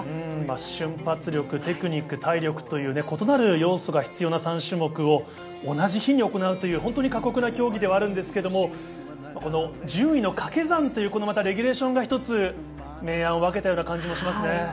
瞬発力、テクニック、体力という異なる要素が必要な３種目を同じ日に行うという本当に過酷な競技ではあるんですがこの順位のかけ算というレギュレーションが１つ、明暗を分けたような感じもしますね。